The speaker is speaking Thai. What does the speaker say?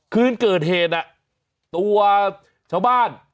คืนเกิดเหตุตัวชาวบ้าน